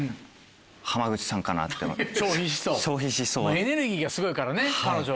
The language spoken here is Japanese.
エネルギーがすごいからね彼女は。